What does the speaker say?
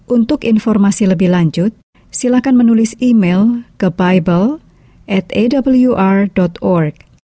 untuk informasi lebih lanjut silakan menulis email ke bible awr org